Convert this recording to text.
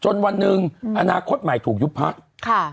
จนวันนึงอนาคตใหม่ถูกยุพัก